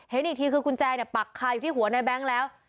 เห็นอีกทีคือกุญแจเนี่ยปักคาอยู่ที่หัวในแบงค์แล้ว